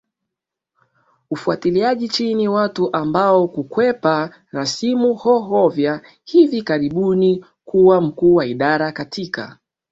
kufuatilia chini watu ambao kukwepa rasimu Hoover hivi karibuni kuwa mkuu wa idara katika